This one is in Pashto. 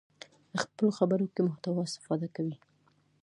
خپلو خبرو کې محتوا استفاده کوي.